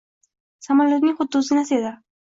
Samolyotning xuddi o’zginasi edi.